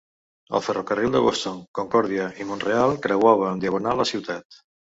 El ferrocarril de Boston, Concòrdia i Mont-real creuava en diagonal la ciutat.